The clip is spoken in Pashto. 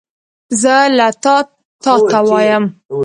زه تا ته وایم !